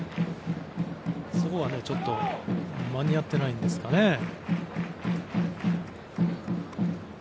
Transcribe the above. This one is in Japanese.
そこがちょっと間に合ってないんですかね。